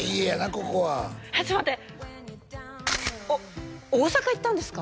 ここはちょっと待って大阪行ったんですか？